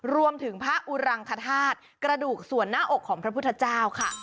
รวมถึงพระอุรังคธาตุกระดูกส่วนหน้าอกของพระพุทธเจ้าค่ะ